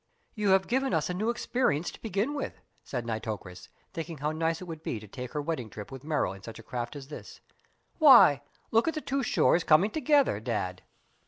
"You have given us a new experience to begin with," said Nitocris, thinking how nice it would be to take her wedding trip with Merrill in such a craft as this. "Why, look at the two shores coming together, Dad!"